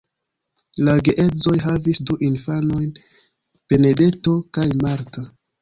La geedzoj havis du infanojn Benedetto kaj Marta.